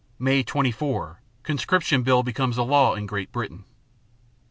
May 24 Conscription bill becomes a law in Great Britain.